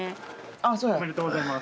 ありがとうございます。